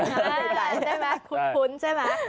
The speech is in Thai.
ใช่ใช่ไหมคุ้นใช่ไหม